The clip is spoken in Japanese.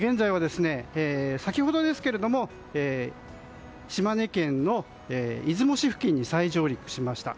先ほどですけれども島根県の出雲市付近に再上陸しました。